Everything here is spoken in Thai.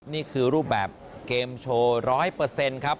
นี่คือรูปแบบเกมโชว์๑๐๐ครับ